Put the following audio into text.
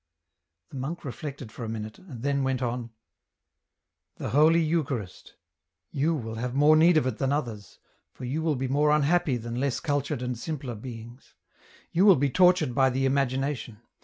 The monk reflected a minute, and then went on, " The holy Eucharist ... you will have more need of it than others, for you will be more unhappy than less cultured and simpler beings. You will be tortured by the imagination.